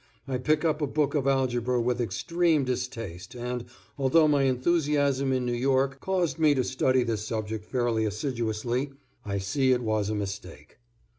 I pick up a book of algebra with extreme distaste and, although my enthusiasm in New York caused me to study this subject fairly assiduously, I see it was a mistake.